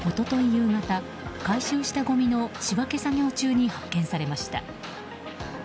夕方、回収したごみの仕分け作業中に発見されました。